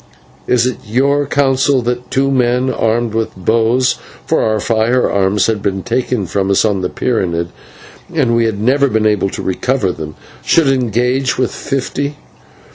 "It is your counsel that two men armed with bows" (for our firearms had been taken from us on the pyramid, and we had never been able to recover them) "should engage with fifty.